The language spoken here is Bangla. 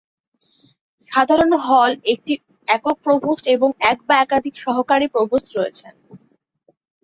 সাধারণত হল একটি একক প্রভোস্ট এবং এক বা একাধিক সহকারী প্রভোস্ট রয়েছেন।